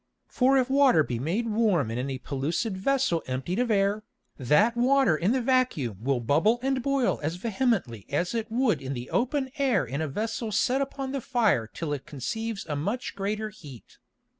For if Water be made warm in any pellucid Vessel emptied of Air, that Water in the Vacuum will bubble and boil as vehemently as it would in the open Air in a Vessel set upon the Fire till it conceives a much greater heat.